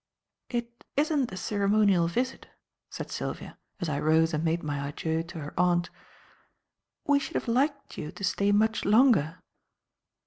"It isn't a ceremonial visit," said Sylvia, as I rose and made my adieux to her aunt. "We should have liked you to stay much longer."